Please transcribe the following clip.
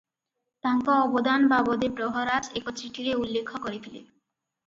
ତାଙ୍କ ଅବଦାନ ବାବଦେ ପ୍ରହରାଜ ଏକ ଚିଠିରେ ଉଲ୍ଲେଖ କରିଥିଲେ ।